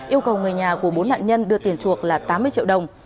yêu cầu người nhà của bốn nạn nhân đưa tiền chuộc là tám mươi triệu đồng